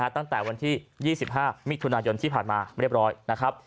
ตั้งแต่วันที่๒๕มิถุนายนที่ผ่านมาเรียบร้อยนะครับ